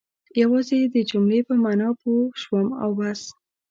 یوازې د جملې په معنا پوه شوم او بس.